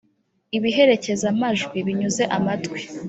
ibiherekeza-majwi binyuze amatwi